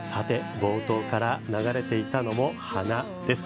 冒頭から流れていたのも「花」です。